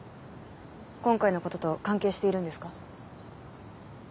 今回のことと関係しているんですか。